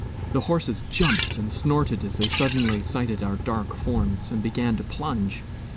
The horses jumped and snorted as they suddenly sighted our dark forms, and began to plunge.